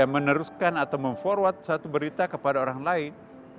meneruskan atau mem forward satu berita kepada orang lain